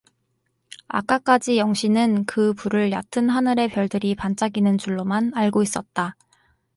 아까까지 영신은 그 불을 얕은 하늘의 별들이 반짝이는 줄로만 알고있었다.